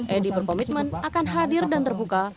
edi berkomitmen akan hadir dan terbuka